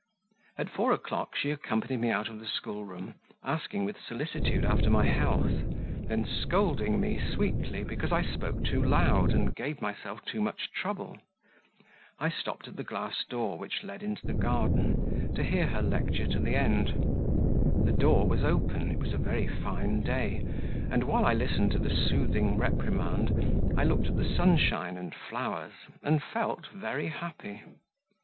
At four o'clock she accompanied me out of the schoolroom, asking with solicitude after my health, then scolding me sweetly because I spoke too loud and gave myself too much trouble; I stopped at the glass door which led into the garden, to hear her lecture to the end; the door was open, it was a very fine day, and while I listened to the soothing reprimand, I looked at the sunshine and flowers, and felt very happy.